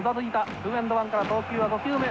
ツーエンドワンから投球は５球目。